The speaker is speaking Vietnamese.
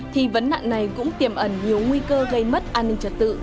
thì vấn nạn này cũng tiềm ẩn nhiều nguy cơ gây mất an ninh trật tự